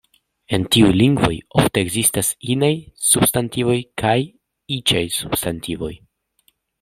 En tiuj lingvoj, ofte ekzistas inaj substantivoj kaj iĉaj substantivoj.